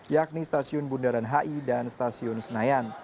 yakni stasiun bundaran hi dan stasiun senayan